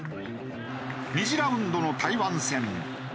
２次ラウンドの台湾戦。